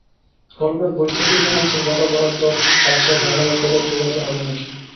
গল্পের বই থেকেই রোম্যান্সের বাঁধা বরাদ্দ ছাঁচে ঢালাই করে জোগাতে হবে নাকি।